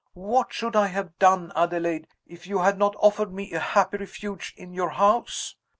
What should I have done, Adelaide, if you had not offered me a happy refuge in your house?